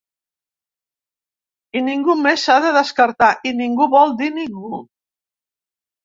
I ningú més s’ha de descartar, i ningú vol dir ningú.